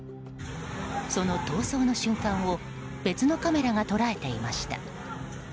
その逃走の瞬間が別のカメラが捉えていました。